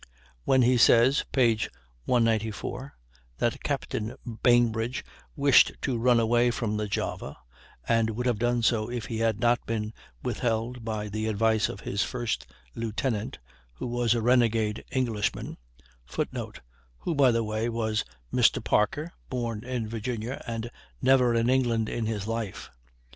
When he says (p. 194) that Captain Bainbridge wished to run away from the Java, and would have done so if he had not been withheld by the advice of his first lieutenant, who was a renegade Englishman, [Footnote: Who, by the way, was Mr. Parker, born in Virginia, and never in England in his life.